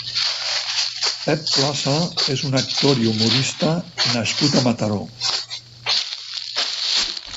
Pep Plaza és un actor i humorista nascut a Mataró.